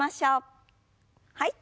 はい。